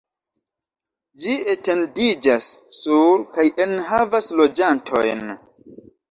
Ĝi etendiĝas sur kaj enhavas loĝantojn.